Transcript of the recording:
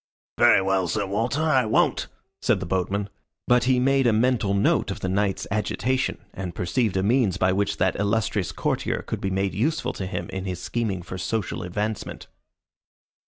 "Very well, Sir Walter, I won't," said the boatman; but he made a mental note of the knight's agitation, and perceived a means by which that illustrious courtier could be made useful to him in his scheming for social advancement.